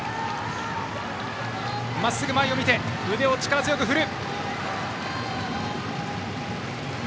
まっすぐ前を見て腕を力強く振る。